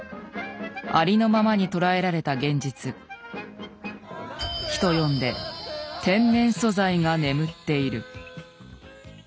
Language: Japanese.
ありのままに捉えられた現実人呼んで「天然素材」が眠っている。